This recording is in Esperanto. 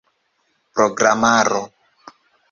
programaro